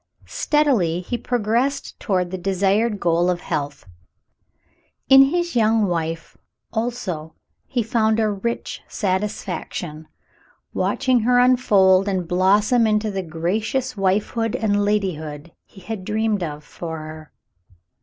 Steadily he progressed toward the desired goal of health. In his young wife, also, he found a rich satisfaction, watching her unfold and blossom into the gracious wifehood and ladyhood he had dreamed of for her.